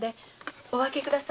お分けください。